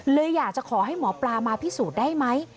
เลยอยากจะขอให้หมอปลามาพิสูจน์ได้ไหม